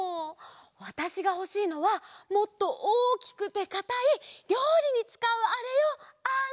わたしがほしいのはもっとおおきくてかたいりょうりにつかうあれよあれ！